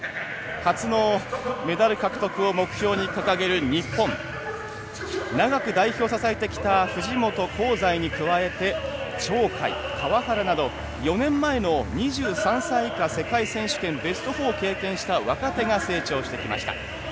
初のメダル獲得を目標に掲げる日本長く代表を支えてきた藤本、香西に加えて鳥海、川原など４年前の２３歳以下世界選手権ベスト４を経験した若手が成長してきました。